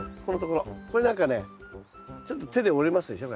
これなんかねちょっと手で折れますでしょ